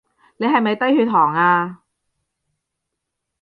你係咪低血糖呀？